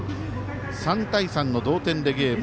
３対３の同点でゲーム